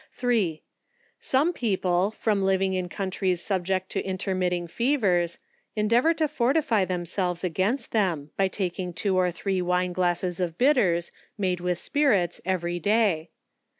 3. Some people, from living in countries subject to in termitting fevers, endeavour to fortify themselves against .them, by taking two or three wine glasses of bitters, made ARDEXT SPIRITS. 1~ with spirits, every day.